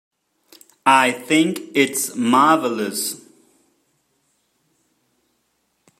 I think it's marvelous.